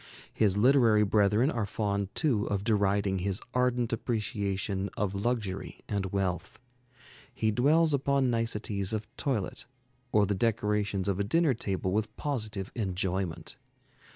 His literary brethren are fond too of deriding his ardent appreciation of luxury and wealth. He dwells upon niceties of toilet or the decorations of a dinner table with positive enjoyment.